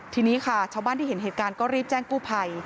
ทีนี้ค่ะชาวบ้านที่เห็นเหตุการณ์ก็รีบแจ้งกู้ภัย